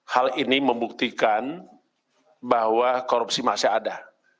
hal ini membuktikan bahwa korupsi masih ada